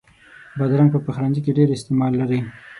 بادرنګ په پخلنځي کې ډېر استعمال لري.